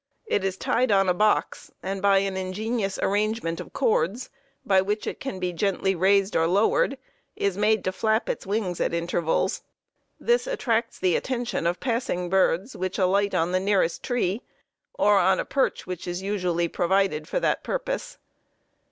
It is tied on a box, and by an ingenious arrangement of cords, by which it can be gently raised or lowered, is made to flap its wings at intervals. This attracts the attention of passing birds which alight on the nearest tree, or on a perch which is usually provided for that purpose.